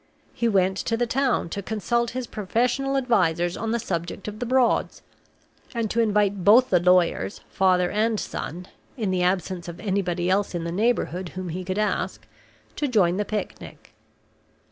He went to the town to consult his professional advisers on the subject of the Broads, and to invite both the lawyers, father and son (in the absence of anybody else in the neighborhood whom he could ask), to join the picnic.